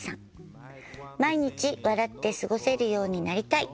「毎日、笑って過ごせるようになりたい。